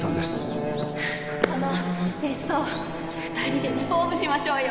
この別荘２人でリフォームしましょうよ。